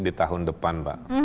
di tahun depan pak